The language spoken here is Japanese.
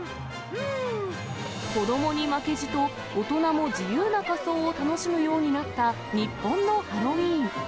子どもに負けじと大人も自由な仮装を楽しむようになった日本のハロウィーン。